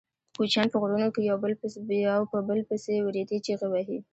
کوچیان په غرونو کې یو په بل پسې وریتې چیغې وهي.